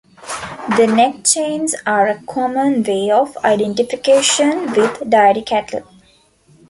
The neck chains are a common way of identification with dairy cattle.